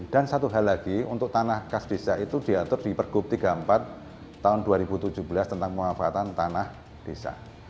dan satu hal lagi untuk tanah kas desa itu diatur di pergub tiga puluh empat tahun dua ribu tujuh belas tentang pengobatan tanah desa